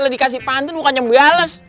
dikasih pantun bukan nyambales